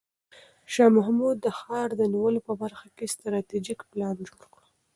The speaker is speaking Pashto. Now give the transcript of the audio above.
شاه محمود د ښار د نیولو په برخه کې ستراتیژیک پلان جوړ کړ.